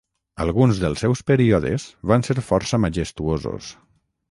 Alguns dels seus períodes van ser força majestuosos.